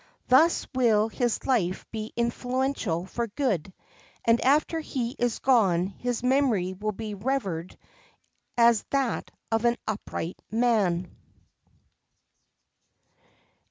Thus will his life be influential for good, and after he is gone his memory will be revered as that of an upright man.